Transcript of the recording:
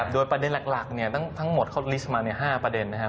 โดยประเด็นหลักทั้งหมดเขาลิสต์มา๕ประเด็นนะครับ